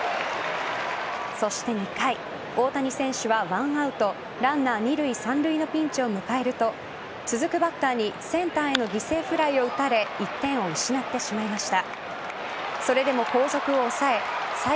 そして２回、大谷選手は１アウトランナー二塁・三塁のピンチを迎えると続くバッターにセンターへの犠牲フライを打たれ１点を失ってしまいました。